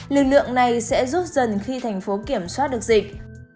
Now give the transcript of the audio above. lực lượng này sẽ rút dần khi thành phố kiểm soát được dịch